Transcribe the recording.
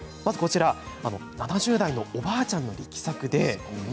７０代のおばあちゃんの力作です。